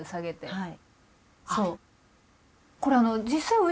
はい。